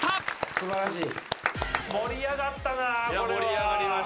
素晴らしい！